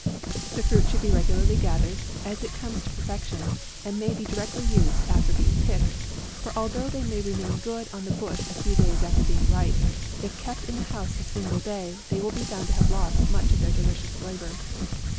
The fruit should be regularly gath ered as it comes to perfection, and be direct ly used after being picked ; for although they may remain good on the bush a few days after being ripe, if kept in the house a single day, they will be found to have lost much of their delicious flavour.